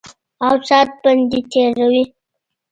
او سات پرې تېروي.